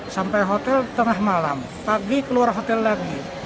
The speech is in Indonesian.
sampai hotel tengah malam pagi keluar hotel lagi